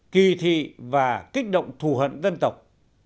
kỳ thị và kích động thù hận dân tộc